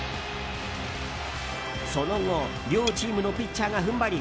その後両チームのピッチャーが踏ん張り